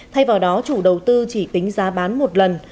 thay vào đó chủ đầu tư chỉ tính giá bán một lần